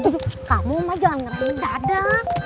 duduk kamu mah jangan ngerahin dada